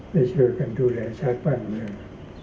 ได้เชิญกันดูแลชาติบ้านเมือง